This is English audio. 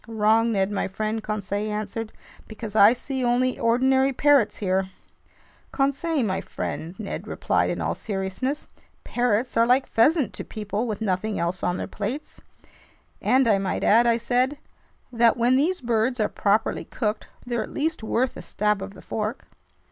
"Wrong, Ned my friend," Conseil answered, "because I see only ordinary parrots here." "Conseil my friend," Ned replied in all seriousness, "parrots are like pheasant to people with nothing else on their plates." "And I might add," I said, "that when these birds are properly cooked, they're at least worth a stab of the fork."